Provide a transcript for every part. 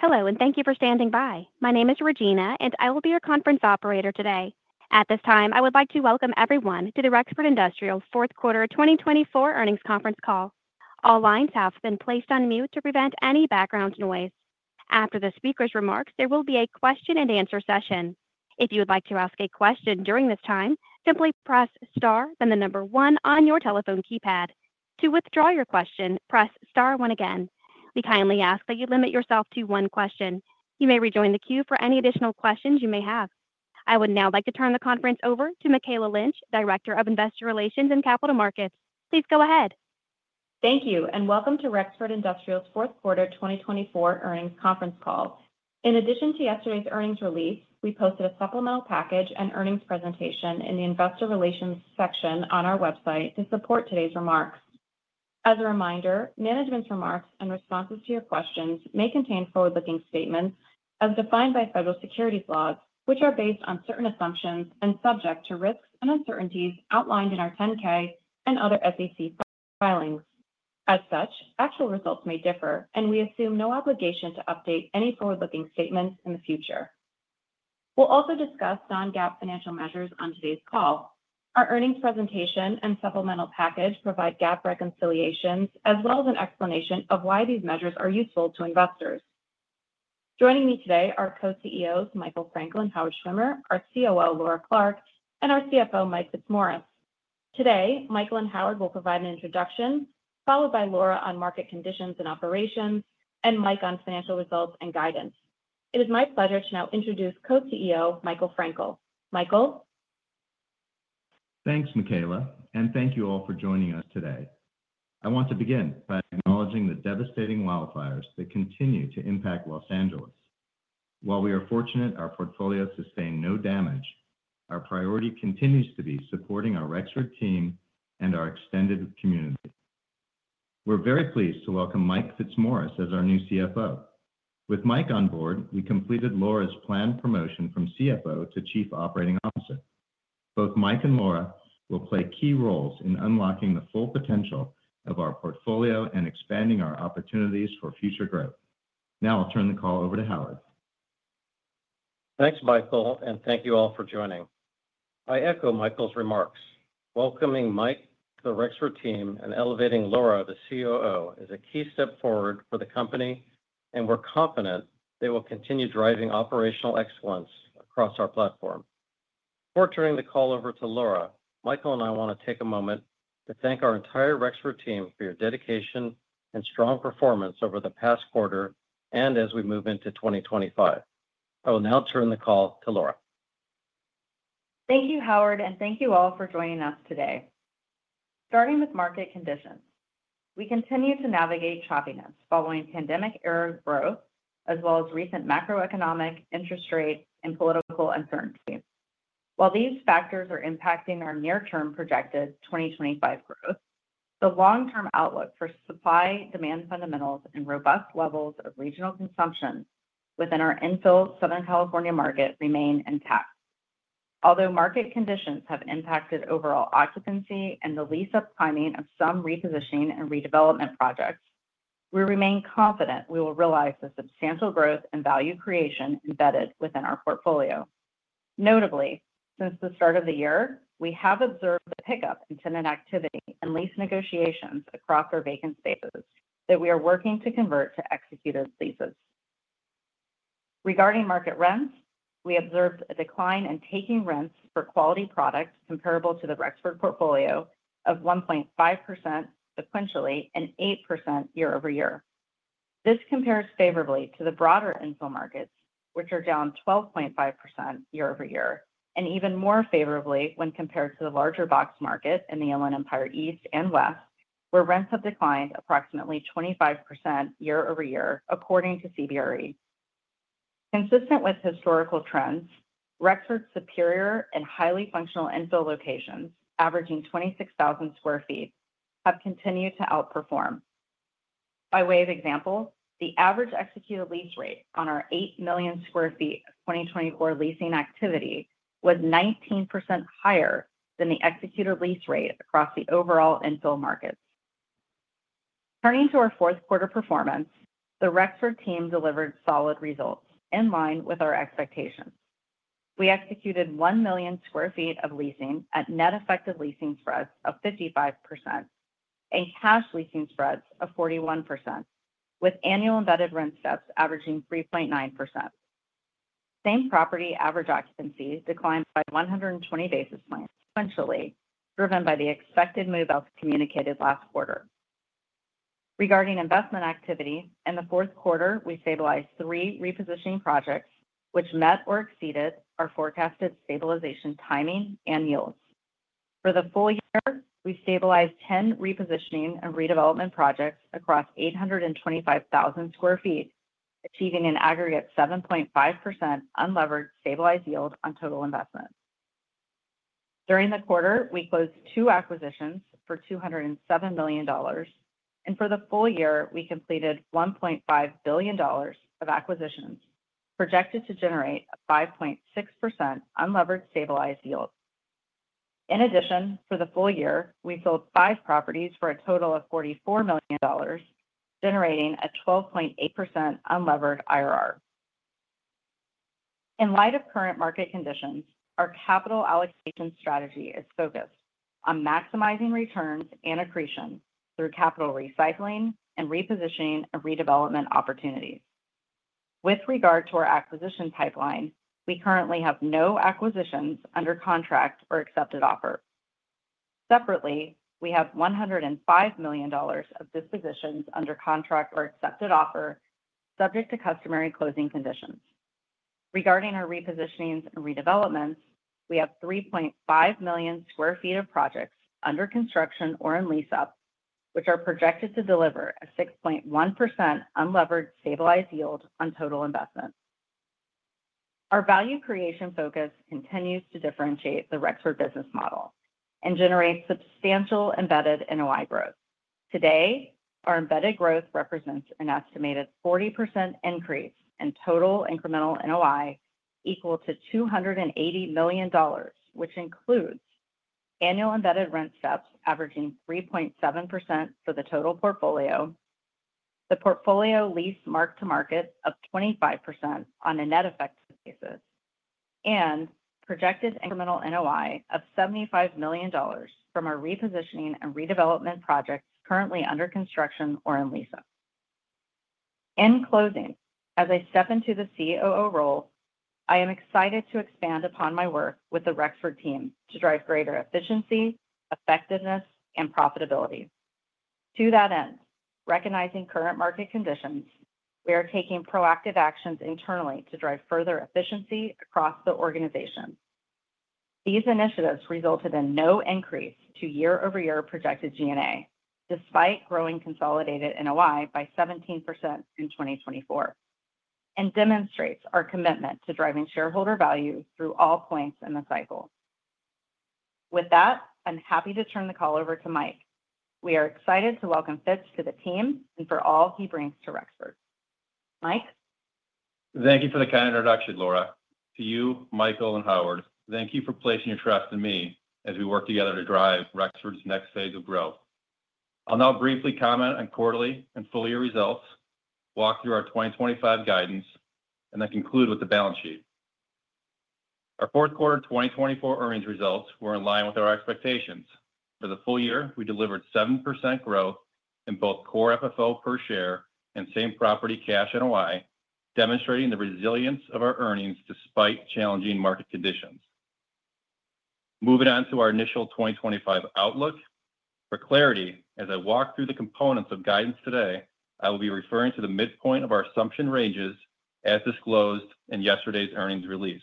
Hello, and thank you for standing by. My name is Regina, and I will be your conference operator today. At this time, I would like to welcome everyone to the Rexford Industrial's fourth quarter 2024 earnings conference call. All lines have been placed on mute to prevent any background noise. After the speaker's remarks, there will be a question-and-answer session. If you would like to ask a question during this time, simply press star, then the number one on your telephone keypad. To withdraw your question, press star one again. We kindly ask that you limit yourself to one question. You may rejoin the queue for any additional questions you may have. I would now like to turn the conference over to Mikayla Lynch, Director of Investor Relations and Capital Markets. Please go ahead. Thank you, and welcome to Rexford Industrial's fourth quarter 2024 earnings conference call. In addition to yesterday's earnings release, we posted a supplemental package and earnings presentation in the Investor Relations section on our website to support today's remarks. As a reminder, management's remarks and responses to your questions may contain forward-looking statements as defined by federal securities laws, which are based on certain assumptions and subject to risks and uncertainties outlined in our 10-K and other SEC filings. As such, actual results may differ, and we assume no obligation to update any forward-looking statements in the future. We'll also discuss non-GAAP financial measures on today's call. Our earnings presentation and supplemental package provide GAAP reconciliations as well as an explanation of why these measures are useful to investors. Joining me today are Co-CEOs Michael Frankel and Howard Schwimmer, our COO, Laura Clark, and our CFO, Mike Fitzmaurice. Today, Michael and Howard will provide an introduction, followed by Laura on market conditions and operations, and Mike on financial results and guidance. It is my pleasure to now introduce Co-CEO Michael Frankel. Michael. Thanks, Mikayla, and thank you all for joining us today. I want to begin by acknowledging the devastating wildfires that continue to impact Los Angeles. While we are fortunate our portfolios sustain no damage, our priority continues to be supporting our Rexford team and our extended community. We're very pleased to welcome Mike Fitzmaurice as our new CFO. With Mike on board, we completed Laura's planned promotion from CFO to Chief Operating Officer. Both Mike and Laura will play key roles in unlocking the full potential of our portfolio and expanding our opportunities for future growth. Now I'll turn the call over to Howard. Thanks, Michael, and thank you all for joining. I echo Michael's remarks. Welcoming Mike to the Rexford team and elevating Laura, the COO, is a key step forward for the company, and we're confident they will continue driving operational excellence across our platform. Before turning the call over to Laura, Michael and I want to take a moment to thank our entire Rexford team for your dedication and strong performance over the past quarter and as we move into 2025. I will now turn the call to Laura. Thank you, Howard, and thank you all for joining us today. Starting with market conditions, we continue to navigate choppiness following pandemic-era growth as well as recent macroeconomic, interest rate, and political uncertainty. While these factors are impacting our near-term projected 2025 growth, the long-term outlook for supply-demand fundamentals and robust levels of regional consumption within our infill Southern California market remain intact. Although market conditions have impacted overall occupancy and the lease-up timing of some repositioning and redevelopment projects, we remain confident we will realize the substantial growth and value creation embedded within our portfolio. Notably, since the start of the year, we have observed a pickup in tenant activity and lease negotiations across our vacant spaces that we are working to convert to executed leases. Regarding market rents, we observed a decline in taking rents for quality products comparable to the Rexford portfolio of 1.5% sequentially and 8% year-over-year. This compares favorably to the broader infill markets, which are down 12.5% year-over-year, and even more favorably when compared to the larger box market in the Inland Empire East and West, where rents have declined approximately 25% year-over-year, according to CBRE. Consistent with historical trends, Rexford's superior and highly functional infill locations, averaging 26,000 sq ft, have continued to outperform. By way of example, the average executed lease rate on our 8 million sq ft of 2024 leasing activity was 19% higher than the executed lease rate across the overall infill markets. Turning to our fourth quarter performance, the Rexford team delivered solid results in line with our expectations. We executed 1 million sq ft of leasing at net effective leasing spreads of 55% and cash leasing spreads of 41%, with annual embedded rent steps averaging 3.9%. Same property average occupancy declined by 120 basis points sequentially, driven by the expected move-outs communicated last quarter. Regarding investment activity, in the fourth quarter, we stabilized three repositioning projects, which met or exceeded our forecasted stabilization timing and yields. For the full year, we stabilized 10 repositioning and redevelopment projects across 825,000 sq ft, achieving an aggregate 7.5% unleveraged stabilized yield on total investment. During the quarter, we closed two acquisitions for $207 million, and for the full year, we completed $1.5 billion of acquisitions, projected to generate a 5.6% unleveraged stabilized yield. In addition, for the full year, we sold five properties for a total of $44 million, generating a 12.8% unleveraged IRR. In light of current market conditions, our capital allocation strategy is focused on maximizing returns and accretion through capital recycling and repositioning and redevelopment opportunities. With regard to our acquisition pipeline, we currently have no acquisitions under contract or accepted offer. Separately, we have $105 million of dispositions under contract or accepted offer, subject to customary closing conditions. Regarding our repositionings and redevelopments, we have 3.5 million sq ft of projects under construction or in lease-up, which are projected to deliver a 6.1% unleveraged stabilized yield on total investment. Our value creation focus continues to differentiate the Rexford business model and generate substantial embedded NOI growth. Today, our embedded growth represents an estimated 40% increase in total incremental NOI equal to $280 million, which includes annual embedded rent steps averaging 3.7% for the total portfolio, the portfolio lease mark-to-market of 25% on a net effective basis, and projected incremental NOI of $75 million from our repositioning and redevelopment projects currently under construction or in lease-up. In closing, as I step into the COO role, I am excited to expand upon my work with the Rexford team to drive greater efficiency, effectiveness, and profitability. To that end, recognizing current market conditions, we are taking proactive actions internally to drive further efficiency across the organization. These initiatives resulted in no increase to year-over-year projected G&A, despite growing consolidated NOI by 17% in 2024, and demonstrates our commitment to driving shareholder value through all points in the cycle. With that, I'm happy to turn the call over to Mike. We are excited to welcome Fitz to the team and for all he brings to Rexford. Mike. Thank you for the kind introduction, Laura. To you, Michael, and Howard, thank you for placing your trust in me as we work together to drive Rexford's next phase of growth. I'll now briefly comment on quarterly and full-year results, walk through our 2025 guidance, and then conclude with the balance sheet. Our fourth quarter 2024 earnings results were in line with our expectations. For the full year, we delivered 7% growth in both Core FFO per share and same property cash NOI, demonstrating the resilience of our earnings despite challenging market conditions. Moving on to our initial 2025 outlook. For clarity, as I walk through the components of guidance today, I will be referring to the midpoint of our assumption ranges as disclosed in yesterday's earnings release.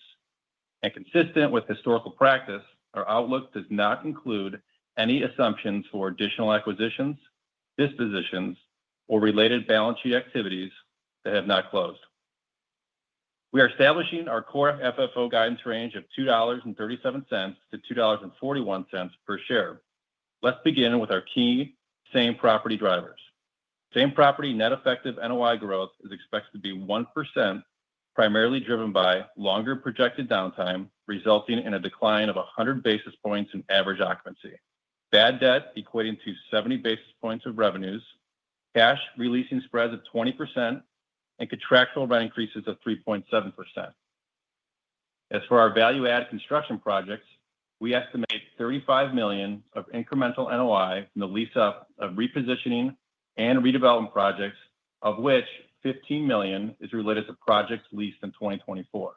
Consistent with historical practice, our outlook does not include any assumptions for additional acquisitions, dispositions, or related balance sheet activities that have not closed. We are establishing our Core FFO guidance range of $2.37-$2.41 per share. Let's begin with our key same property drivers. Same property net effective NOI growth is expected to be 1%, primarily driven by longer projected downtime, resulting in a decline of 100 basis points in average occupancy, bad debt equating to 70 basis points of revenues, cash leasing spreads of 20%, and contractual rent increases of 3.7%. As for our value-add construction projects, we estimate $35 million of incremental NOI from the lease-up of repositioning and redevelopment projects, of which $15 million is related to projects leased in 2024.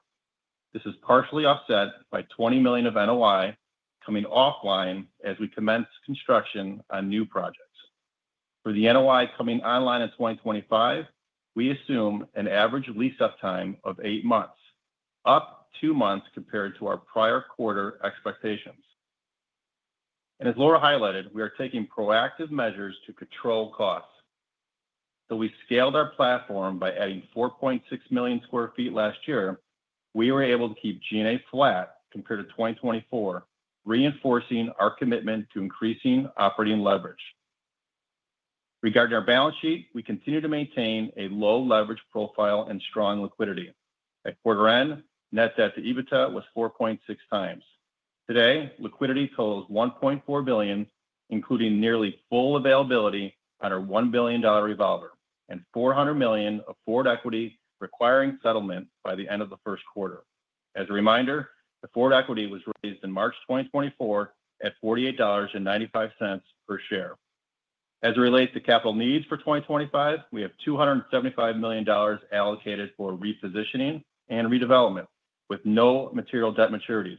This is partially offset by $20 million of NOI coming offline as we commence construction on new projects. For the NOI coming online in 2025, we assume an average lease-up time of eight months, up two months compared to our prior quarter expectations. And as Laura highlighted, we are taking proactive measures to control costs. Though we scaled our platform by adding 4.6 million sq ft last year, we were able to keep G&A flat compared to 2024, reinforcing our commitment to increasing operating leverage. Regarding our balance sheet, we continue to maintain a low leverage profile and strong liquidity. At quarter end, net debt to EBITDA was 4.6 times. Today, liquidity totals $1.4 billion, including nearly full availability on our $1 billion revolver, and $400 million of forward equity requiring settlement by the end of the first quarter. As a reminder, the forward equity was raised in March 2024 at $48.95 per share. As it relates to capital needs for 2025, we have $275 million allocated for repositioning and redevelopment, with no material debt maturities.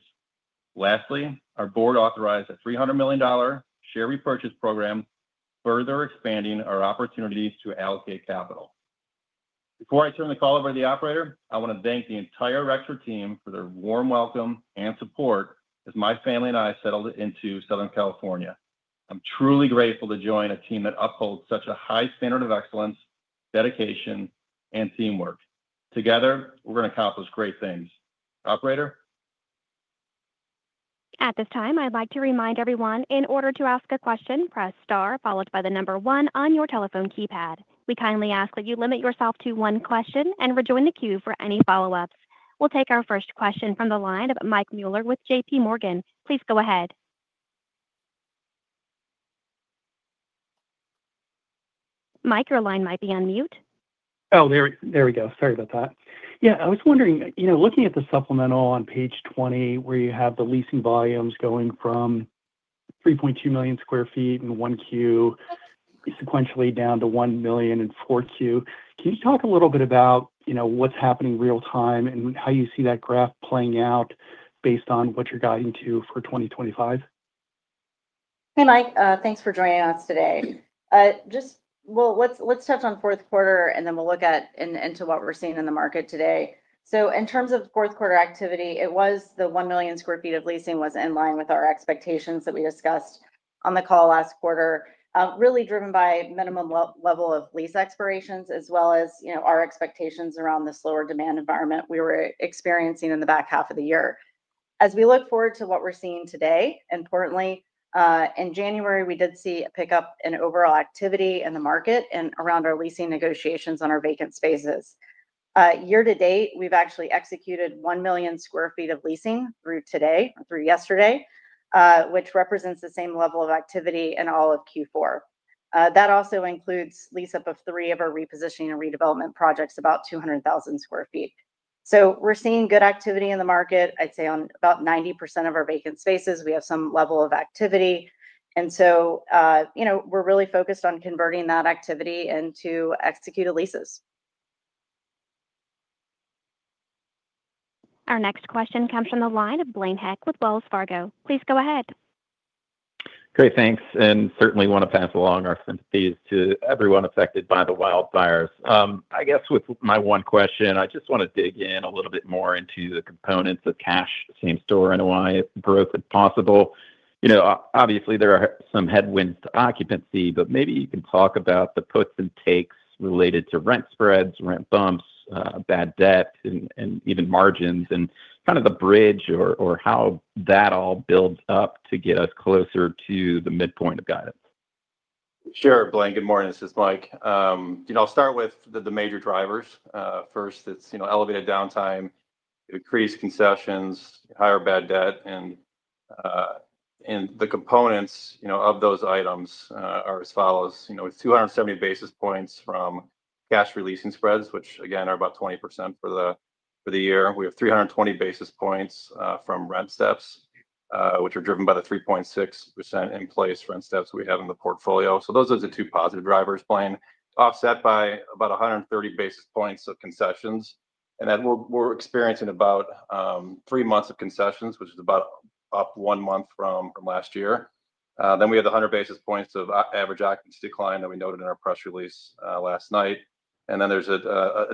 Lastly, our board authorized a $300 million share repurchase program, further expanding our opportunities to allocate capital. Before I turn the call over to the operator, I want to thank the entire Rexford team for their warm welcome and support as my family and I settled into Southern California. I'm truly grateful to join a team that upholds such a high standard of excellence, dedication, and teamwork. Together, we're going to accomplish great things. Operator. At this time, I'd like to remind everyone, in order to ask a question, press star followed by the number one on your telephone keypad. We kindly ask that you limit yourself to one question and rejoin the queue for any follow-ups. We'll take our first question from the line of Mike Mueller with JPMorgan. Please go ahead. Mike, your line might be on mute. Oh, there we go. Sorry about that. Yeah, I was wondering, you know, looking at the supplemental on page 20, where you have the leasing volumes going from 3.2 million sq ft in Q1, sequentially down to 1 million in Q4, can you talk a little bit about, you know, what's happening real-time and how you see that graph playing out based on what you're guiding to for 2025? Hey, Mike, thanks for joining us today. Just, well, let's touch on fourth quarter, and then we'll look at and into what we're seeing in the market today. So in terms of fourth quarter activity, it was the one million sq ft of leasing was in line with our expectations that we discussed on the call last quarter, really driven by minimum level of lease expirations, as well as, you know, our expectations around the slower demand environment we were experiencing in the back half of the year. As we look forward to what we're seeing today, importantly, in January, we did see a pickup in overall activity in the market and around our leasing negotiations on our vacant spaces. Year to date, we've actually executed one million sq ft of leasing through today, through yesterday, which represents the same level of activity in all of Q4. That also includes lease-up of three of our repositioning and redevelopment projects, about 200,000 sq ft. So we're seeing good activity in the market, I'd say on about 90% of our vacant spaces. We have some level of activity. And so, you know, we're really focused on converting that activity into executed leases. Our next question comes from the line of Blaine Heck with Wells Fargo. Please go ahead. Great, thanks and certainly want to pass along our sympathies to everyone affected by the wildfires. I guess with my one question, I just want to dig in a little bit more into the components of cash, same store NOI growth if possible. You know, obviously, there are some headwinds to occupancy, but maybe you can talk about the puts and takes related to rent spreads, rent bumps, bad debt, and even margins, and kind of the bridge or how that all builds up to get us closer to the midpoint of guidance. Sure. Blaine, good morning. This is Mike. You know, I'll start with the major drivers. First, it's, you know, elevated downtime, increased concessions, higher bad debt. And the components, you know, of those items are as follows. You know, with 270 basis points from cash leasing spreads, which, again, are about 20% for the year. We have 320 basis points from rent steps, which are driven by the 3.6% in-place rent steps we have in the portfolio. So those are the two positive drivers, Blaine, offset by about 130 basis points of concessions. And then we're experiencing about three months of concessions, which is about up one month from last year. Then we have the 100 basis points of average occupancy decline that we noted in our press release last night. And then there's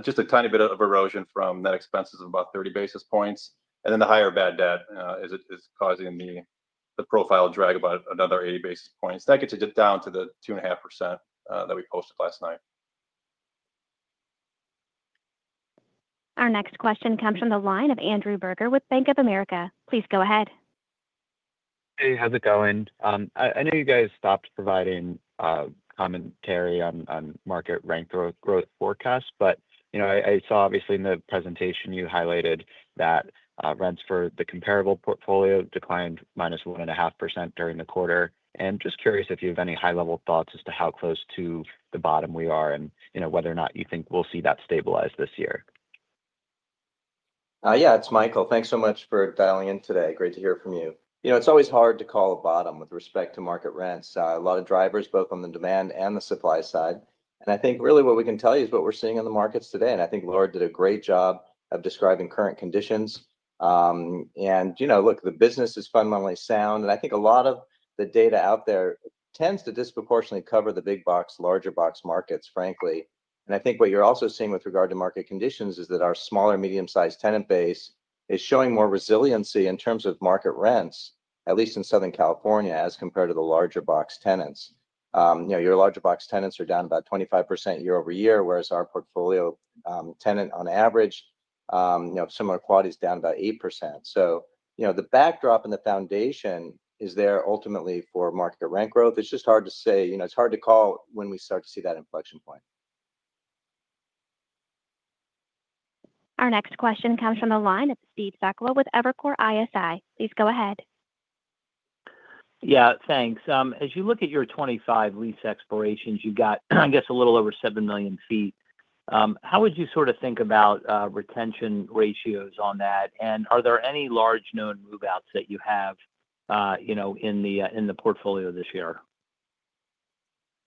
just a tiny bit of erosion from net expenses of about 30 basis points. And then the higher bad debt is causing the profile to drag about another 80 basis points. That gets it down to the 2.5% that we posted last night. Our next question comes from the line of Andrew Berger with Bank of America. Please go ahead. Hey, how's it going? I know you guys stopped providing commentary on market rent growth forecasts, but, you know, I saw obviously in the presentation you highlighted that rents for the comparable portfolio declined minus 1.5% during the quarter, and just curious if you have any high-level thoughts as to how close to the bottom we are and, you know, whether or not you think we'll see that stabilize this year. Yeah, it's Michael. Thanks so much for dialing in today. Great to hear from you. You know, it's always hard to call a bottom with respect to market rents. A lot of drivers, both on the demand and the supply side. And I think really what we can tell you is what we're seeing in the markets today. And I think Laura did a great job of describing current conditions. And, you know, look, the business is fundamentally sound. And I think a lot of the data out there tends to disproportionately cover the big box, larger box markets, frankly. And I think what you're also seeing with regard to market conditions is that our smaller medium-sized tenant base is showing more resiliency in terms of market rents, at least in Southern California, as compared to the larger box tenants. You know, your larger box tenants are down about 25% year-over-year, whereas our portfolio tenant, on average, you know, similar qualities down about 8%. So, you know, the backdrop and the foundation is there ultimately for market rent growth. It's just hard to say, you know, it's hard to call when we start to see that inflection point. Our next question comes from the line of Steve Sakwa with Evercore ISI. Please go ahead. Yeah, thanks. As you look at your 25 lease expirations, you've got, I guess, a little over 7 million feet. How would you sort of think about retention ratios on that? And are there any large known move-outs that you have, you know, in the portfolio this year?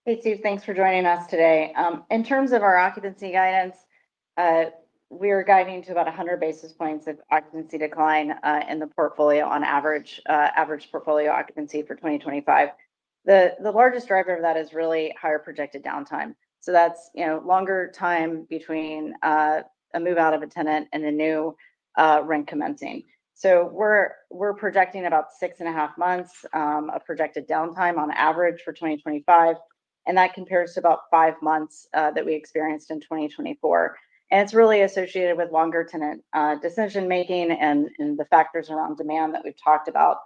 Hey, Steve, thanks for joining us today. In terms of our occupancy guidance, we are guiding to about 100 basis points of occupancy decline in the portfolio on average, average portfolio occupancy for 2025. The largest driver of that is really higher projected downtime. So that's, you know, longer time between a move-out of a tenant and a new rent commencing. So we're projecting about six and a half months of projected downtime on average for 2025. And that compares to about five months that we experienced in 2024. And it's really associated with longer tenant decision-making and the factors around demand that we've talked about.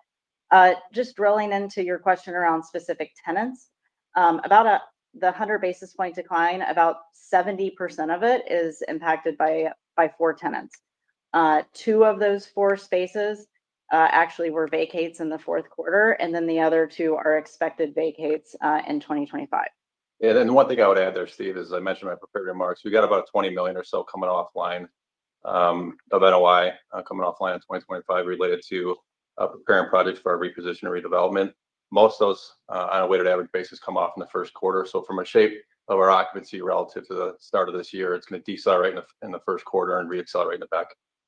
Just drilling into your question around specific tenants, about the 100 basis point decline, about 70% of it is impacted by four tenants. Two of those four spaces actually were vacancies in the fourth quarter, and then the other two are expected vacancies in 2025. Yeah, and then one thing I would add there, Steve, as I mentioned in my prepared remarks, we've got about $20 million or so coming offline of NOI coming offline in 2025 related to preparing projects for our repositioning and redevelopment. Most of those on a weighted average basis come off in the first quarter. So from a shape of our occupancy relative to the start of this year, it's going to decelerate in the first quarter and reaccelerate in the back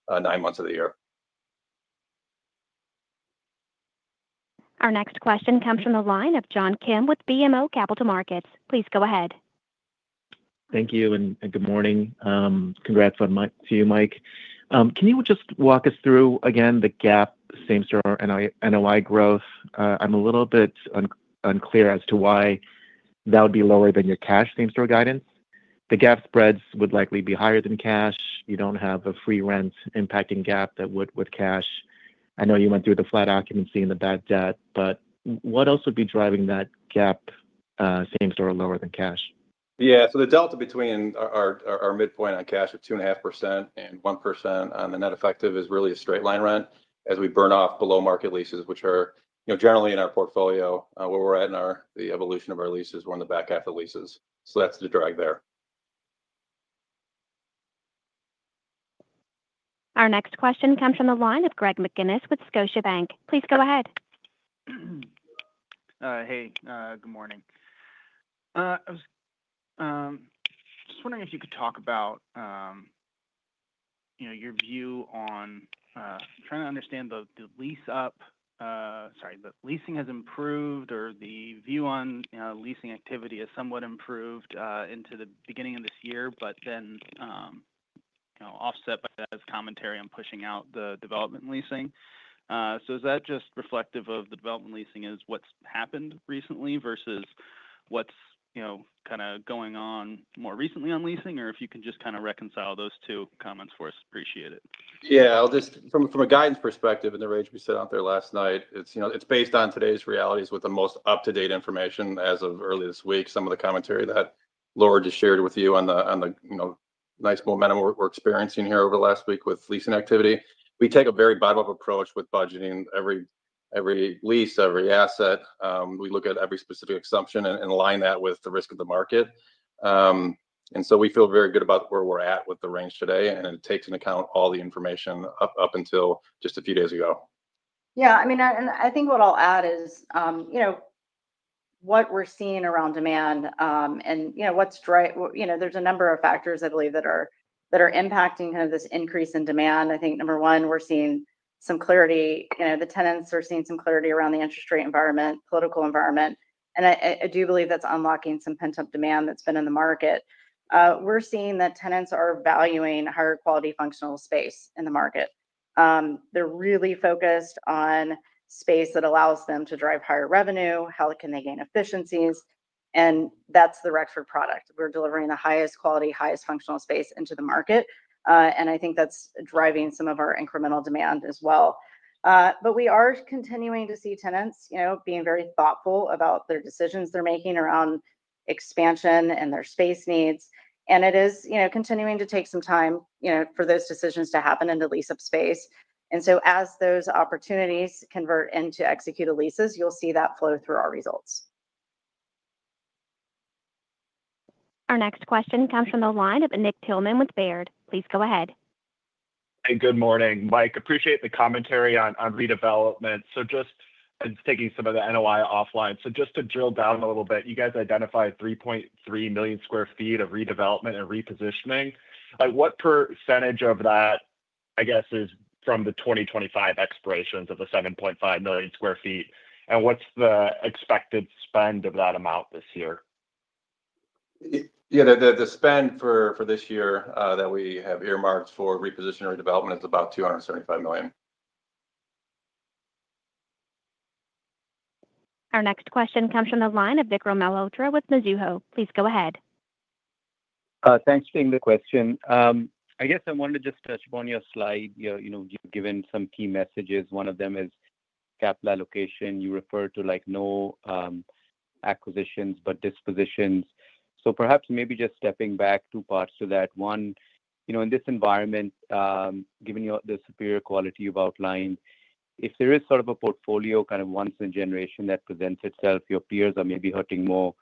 nine months of the year. Our next question comes from the line of John Kim with BMO Capital Markets. Please go ahead. Thank you and good morning. Congrats to you, Mike. Can you just walk us through, again, the GAAP same-store NOI growth? I'm a little bit unclear as to why that would be lower than your cash same-store guidance. The GAAP spreads would likely be higher than cash. You don't have a free rent impacting GAAP that would with cash. I know you went through the flat occupancy and the bad debt, but what else would be driving that GAAP same-store lower than cash? Yeah, so the delta between our midpoint on cash of 2.5% and 1% on the net effective is really a straight-line rent as we burn off below-market leases, which are, you know, generally in our portfolio where we're at in the evolution of our leases. We're in the back half of leases, so that's the drag there. Our next question comes from the line of Greg McGinniss with Scotiabank. Please go ahead. Hey, good morning. I was just wondering if you could talk about, you know, your view on trying to understand the lease-up, sorry, the leasing has improved or the view on leasing activity has somewhat improved into the beginning of this year, but then, you know, offset by that as commentary on pushing out the development leasing. So is that just reflective of the development leasing is what's happened recently versus what's, you know, kind of going on more recently on leasing, or if you can just kind of reconcile those two comments for us. Appreciate it. Yeah, I'll just, from a guidance perspective in the range we set out there last night, it's, you know, it's based on today's realities with the most up-to-date information as of early this week, some of the commentary that Laura just shared with you on the, you know, nice momentum we're experiencing here over the last week with leasing activity. We take a very bottom-up approach with budgeting every lease, every asset. We look at every specific assumption and align that with the risk of the market. And so we feel very good about where we're at with the range today, and it takes into account all the information up until just a few days ago. Yeah, I mean, and I think what I'll add is, you know, what we're seeing around demand and, you know, what's, you know, there's a number of factors, I believe, that are impacting kind of this increase in demand. I think number one, we're seeing some clarity, you know, the tenants are seeing some clarity around the interest rate environment, political environment. And I do believe that's unlocking some pent-up demand that's been in the market. We're seeing that tenants are valuing higher quality functional space in the market. They're really focused on space that allows them to drive higher revenue, how can they gain efficiencies, and that's the Rexford product. We're delivering the highest quality, highest functional space into the market. And I think that's driving some of our incremental demand as well. But we are continuing to see tenants, you know, being very thoughtful about their decisions they're making around expansion and their space needs. And it is, you know, continuing to take some time, you know, for those decisions to happen in the lease-up space. And so as those opportunities convert into executed leases, you'll see that flow through our results. Our next question comes from the line of Nick Thillman with Baird. Please go ahead. Hey, good morning, Mike. Appreciate the commentary on redevelopment. So just, and taking some of the NOI offline, so just to drill down a little bit, you guys identified 3.3 million sq ft of redevelopment and repositioning. Like, what percentage of that, I guess, is from the 2025 expirations of the 7.5 million sq ft? And what's the expected spend of that amount this year? Yeah, the spend for this year that we have earmarked for repositioning and redevelopment is about $275 million. Our next question comes from the line of Vikram Malhotra with Mizuho. Please go ahead. Thanks for the question. I guess I wanted to just touch upon your slide. You know, you've given some key messages. One of them is capital allocation. You refer to, like, no acquisitions, but dispositions. So perhaps maybe just stepping back two parts to that. One, you know, in this environment, given the superior quality you've outlined, if there is sort of a portfolio kind of once in a generation that presents itself, your peers are maybe hurting more.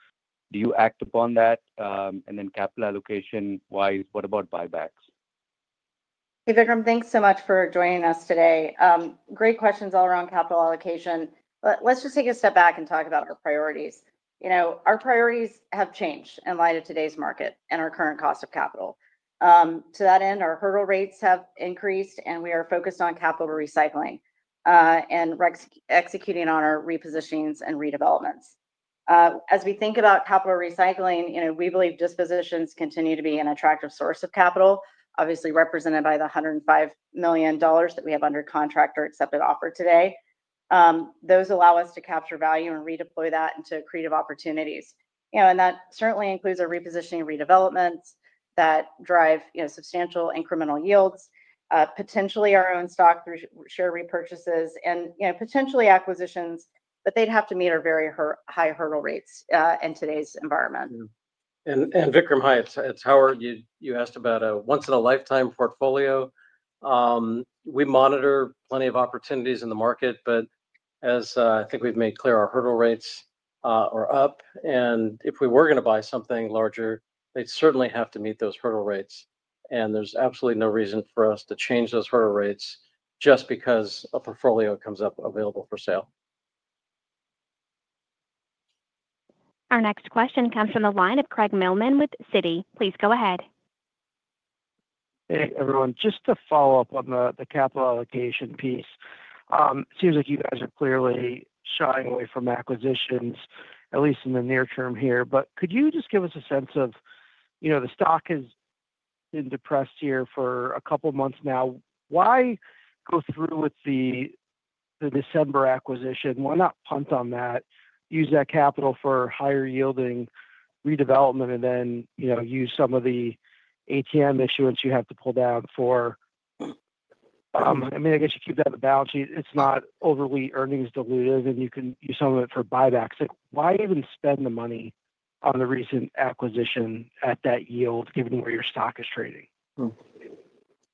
Do you act upon that? And then capital allocation-wise, what about buybacks? Hey, Vikram, thanks so much for joining us today. Great questions all around capital allocation. Let's just take a step back and talk about our priorities. You know, our priorities have changed in light of today's market and our current cost of capital. To that end, our hurdle rates have increased, and we are focused on capital recycling and executing on our repositionings and redevelopments. As we think about capital recycling, you know, we believe dispositions continue to be an attractive source of capital, obviously represented by the $105 million that we have under contract or accepted offer today. Those allow us to capture value and redeploy that into creative opportunities. You know, and that certainly includes our repositioning and redevelopments that drive, you know, substantial incremental yields, potentially our own stock through share repurchases and, you know, potentially acquisitions, but they'd have to meet our very high hurdle rates in today's environment. And Vikram, hi, it's Howard. You asked about a once-in-a-lifetime portfolio. We monitor plenty of opportunities in the market, but as I think we've made clear, our hurdle rates are up. And if we were going to buy something larger, they'd certainly have to meet those hurdle rates. And there's absolutely no reason for us to change those hurdle rates just because a portfolio comes up available for sale. Our next question comes from the line of Craig Mailman with Citi. Please go ahead. Hey, everyone, just to follow up on the capital allocation piece. It seems like you guys are clearly shying away from acquisitions, at least in the near term here. But could you just give us a sense of, you know, the stock has been depressed here for a couple of months now. Why go through with the December acquisition? Why not punt on that, use that capital for higher yielding redevelopment, and then, you know, use some of the ATM issuance you have to pull down for? I mean, I guess you keep that in the balance sheet. It's not overly earnings diluted, and you can use some of it for buybacks. Why even spend the money on the recent acquisition at that yield, given where your stock is trading?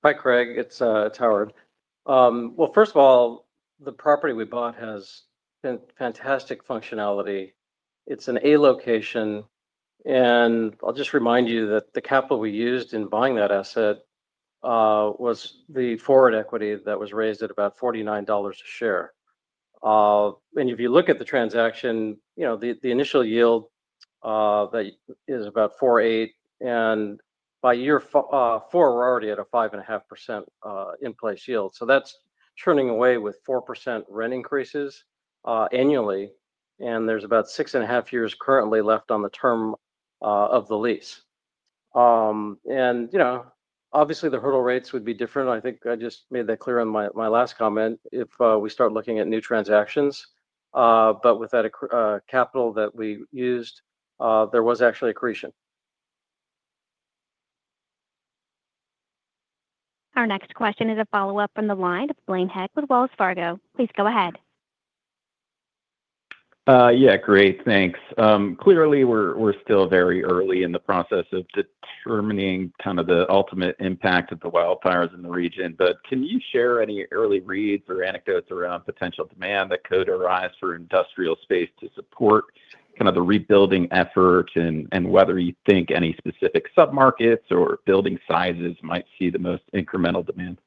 Hi, Craig. It's Howard. Well, first of all, the property we bought has fantastic functionality. It's an A-location. I'll just remind you that the capital we used in buying that asset was the forward equity that was raised at about $49 a share. If you look at the transaction, you know, the initial yield is about 4.8%. By year four, we're already at a 5.5% in place yield. That's churning away with 4% rent increases annually. There's about six and a half years currently left on the term of the lease. You know, obviously, the hurdle rates would be different. I think I just made that clear in my last comment if we start looking at new transactions. With that capital that we used, there was actually accretion. Our next question is a follow-up from the line of Blaine Heck with Wells Fargo. Please go ahead. Yeah, great. Thanks. Clearly, we're still very early in the process of determining kind of the ultimate impact of the wildfires in the region. But can you share any early reads or anecdotes around potential demand that could arise for industrial space to support kind of the rebuilding effort and whether you think any specific sub-markets or building sizes might see the most incremental demand?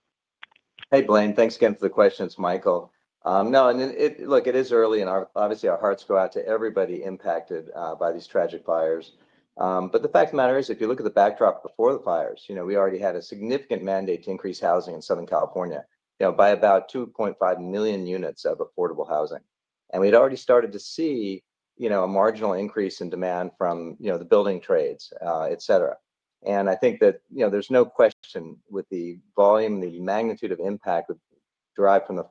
Hey, Blaine, thanks again for the questions, Michael. No, and look, it is early, and obviously, our hearts go out to everybody impacted by these tragic fires. But the fact matters, if you look at the backdrop before the fires, you know, we already had a significant mandate to increase housing in Southern California, you know, by about 2.5 million units of affordable housing. And we'd already started to see, you know, a marginal increase in demand from, you know, the building trades, et cetera. And I think that, you know, there's no question with the volume, the magnitude of impact derived from the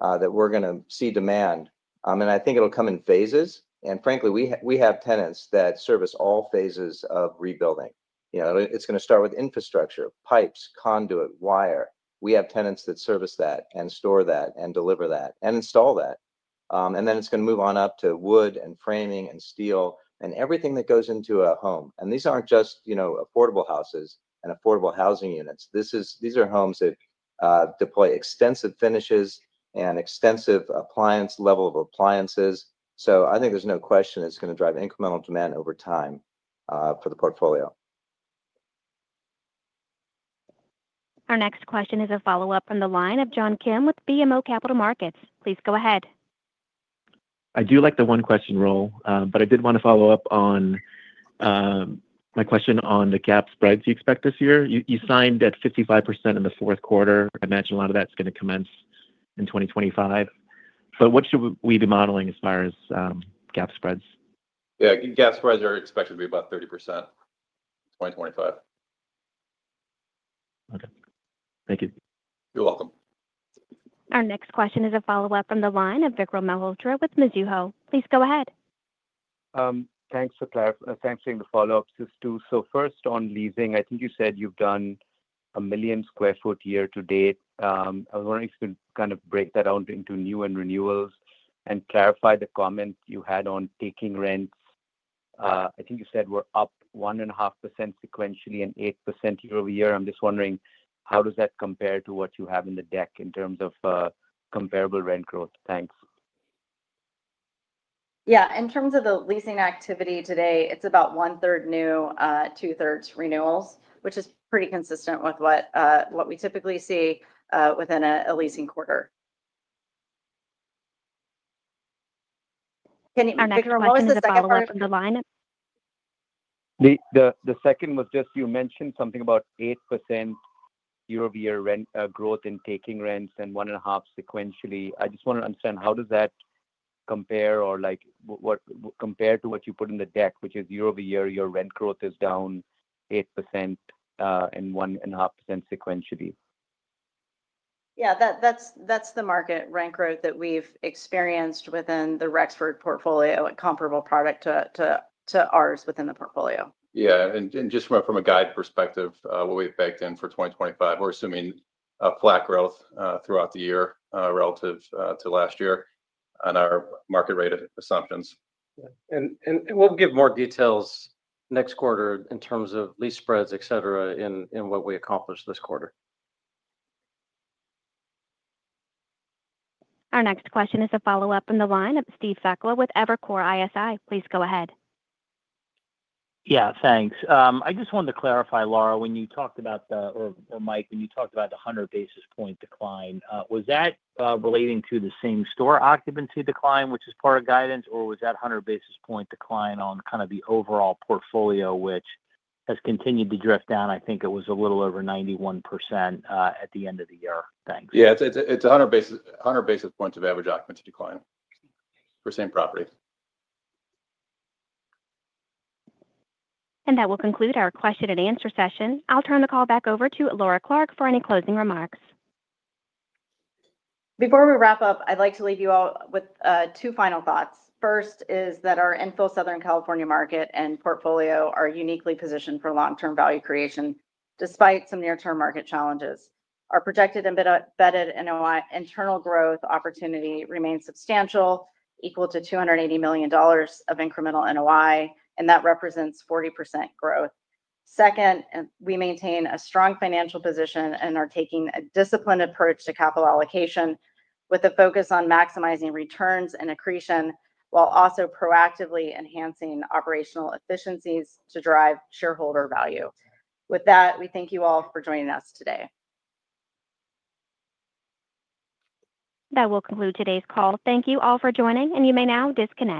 fires that we're going to see demand. And I think it'll come in phases. And frankly, we have tenants that service all phases of rebuilding. You know, it's going to start with infrastructure, pipes, conduit, wire. We have tenants that service that and store that and deliver that and install that, and then it's going to move on up to wood and framing and steel and everything that goes into a home, and these aren't just, you know, affordable houses and affordable housing units. These are homes that deploy extensive finishes and extensive appliance level of appliances, so I think there's no question it's going to drive incremental demand over time for the portfolio. Our next question is a follow-up from the line of John Kim with BMO Capital Markets. Please go ahead. I do like the one-question rule, but I did want to follow up on my question on the leasing spreads you expect this year. You signed at 55% in the fourth quarter. I imagine a lot of that's going to commence in 2025. But what should we be modeling as far as leasing spreads? Yeah, GAAP spreads are expected to be about 30% in 2025. Okay. Thank you. You're welcome. Our next question is a follow-up from the line of Vikram Malhotra with Mizuho. Please go ahead. Thanks for clarifying, thanks for the follow-ups too. So first on leasing, I think you said you've done a million sq ft year to date. I was wondering if you could kind of break that out into new and renewals and clarify the comment you had on taking rents. I think you said we're up 1.5% sequentially and 8% year-over-year. I'm just wondering, how does that compare to what you have in the deck in terms of comparable rent growth? Thanks. Yeah, in terms of the leasing activity today, it's about one-third new, two-thirds renewals, which is pretty consistent with what we typically see within a leasing quarter. Our next question is a follow-up from the line. The second was just you mentioned something about 8% year-over-year rent growth in asking rents and 1.5% sequentially. I just want to understand how does that compare or like compare to what you put in the deck, which is year-over-year, your rent growth is down 8% and 1.5% sequentially. Yeah, that's the market rent growth that we've experienced within the Rexford portfolio, a comparable product to ours within the portfolio. Yeah, and just from a guide perspective, what we've baked in for 2025, we're assuming a flat growth throughout the year relative to last year on our market rate assumptions. We'll give more details next quarter in terms of lease spreads, et cetera, in what we accomplish this quarter. Our next question is a follow-up from the line of Steve Sakwa with Evercore ISI. Please go ahead. Yeah, thanks. I just wanted to clarify, Laura, when you talked about the, or Mike, when you talked about the 100 basis point decline, was that relating to the same store occupancy decline, which is part of guidance, or was that 100 basis point decline on kind of the overall portfolio, which has continued to drift down? I think it was a little over 91% at the end of the year. Thanks. Yeah, it's 100 basis points of average occupancy decline for same property. That will conclude our question and answer session. I'll turn the call back over to Laura Clark for any closing remarks. Before we wrap up, I'd like to leave you all with two final thoughts. First is that our Inland Empire, Southern California market and portfolio are uniquely positioned for long-term value creation despite some near-term market challenges. Our projected embedded NOI internal growth opportunity remains substantial, equal to $280 million of incremental NOI, and that represents 40% growth. Second, we maintain a strong financial position and are taking a disciplined approach to capital allocation with a focus on maximizing returns and accretion while also proactively enhancing operational efficiencies to drive shareholder value. With that, we thank you all for joining us today. That will conclude today's call. Thank you all for joining, and you may now disconnect.